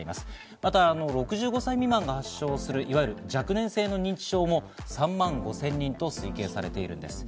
また６５歳未満が発症する、いわゆる若年性の認知症も３万５０００人と推定されています。